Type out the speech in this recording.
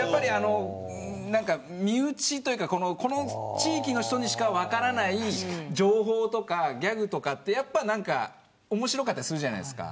身内というかこの地域の人にしか分からない情報とかギャグとか面白かったりするじゃないですか。